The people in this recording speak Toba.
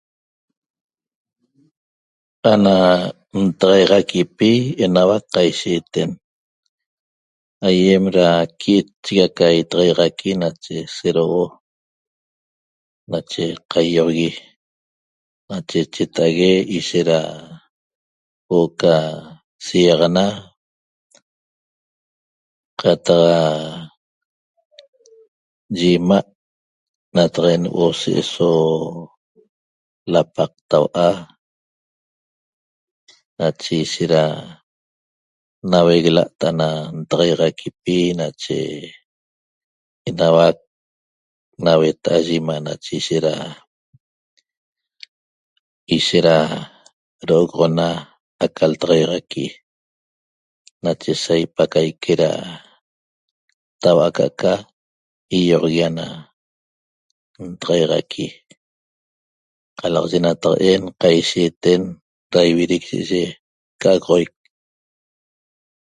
Ana ntaxaiaxaquipi enauac qaishiiten aýem da qui'itchigui aca itaxaixaqui nache sedouo nache qaiýoxogui nache cheta'ague ishet da huo'o ca siaxana qataq yi 'ima' nataq'en huo'o se'eso lapaqtau'a nache ishet da naveguela't ana ntaxaiaxaquipi nache enauac na hueta'a yi 'ima' nache ishet da ishet da do'oxoxona aca ltaxaiaxaqui nache sa ipacaique da tau'a aca'aca ýioxogui ana ntaxaiaxaqui qalaxayi nataq'en qaishiiten da ividic yi'iyi ca'agoxoic